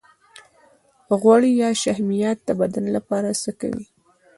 غوړ یا شحمیات د بدن لپاره څه کوي